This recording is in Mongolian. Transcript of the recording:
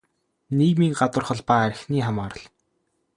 Нийгмийн гадуурхал ба архины хамаарал